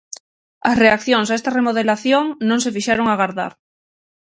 As reaccións a esta remodelación non se fixeron agardar.